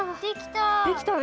できた！